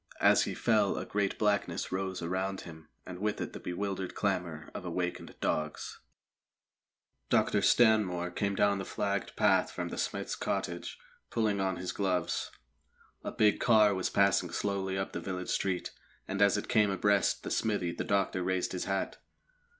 As he fell a great blackness rose around him, and with it the bewildered clamour of awakened dogs. Dr. Stanmore came down the flagged path from the smith's cottage, pulling on his gloves. A big car was passing slowly up the village street, and as it came abreast the smithy the doctor raised his hat.